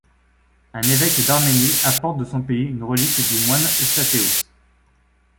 Un évêque d’Arménie apporte de son pays une relique du moine Eustathéos.